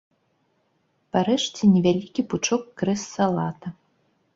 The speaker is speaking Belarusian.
Парэжце невялікі пучок крэс-салата.